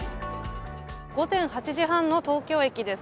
午前８時半の東京駅です。